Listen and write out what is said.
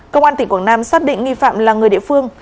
công an tỉnh quảng nam xác định nghi phạm là người địa phương